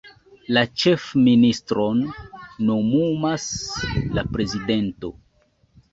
La ĉefministron nomumas la prezidento.